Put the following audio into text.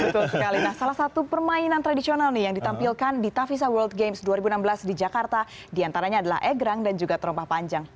betul sekali nah salah satu permainan tradisional nih yang ditampilkan di tavisa world games dua ribu enam belas di jakarta diantaranya adalah egrang dan juga terompah panjang